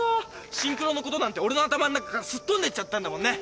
シンクロのことなんて俺の頭の中からすっ飛んでっちゃったんだもんね。